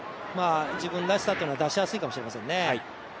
自分らしさっていうのは出しやすいかもしれませんね。